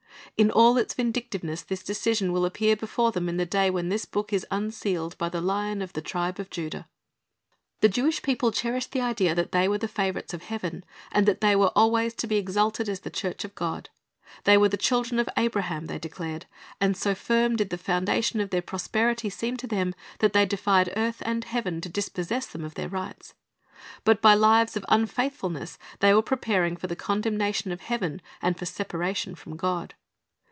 In all its vindictiveness this decision will appear before them in the day when this book is unsealed by the Lion of the tribe of Judah. The Jewish people cherished the idea that they were the favorites of heaven, and that they were always to be exalted as the church of God. They were the children of Abraham, they declared, and so firm did the foundation of their prosperity seem to them that they defied earth and heaven to dispossess them of their rights. But by lives of unfaith fulness they were preparing for the condemnation of heaven and for separation from God.